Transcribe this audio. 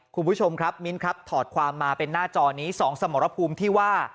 คุณผู้ชมครับมิ้นครับถอดความมาเป็นหน้าจอนี้๒สมรภูมิที่ว่า